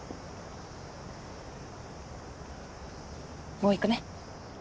もう行くね。